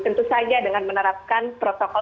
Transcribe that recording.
tentu saja dengan menerapkan protokol